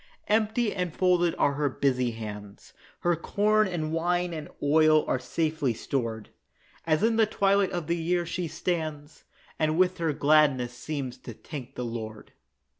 Empty and folded are her busy hands; Her corn and wine and oil are safely stored, As in the twilight of the year she stands, And with her gladness seems to thank the Lord.